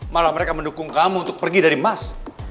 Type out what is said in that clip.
malah mereka mendukung kamu untuk pergi dari emas